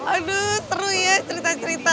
aduh seru ya cerita cerita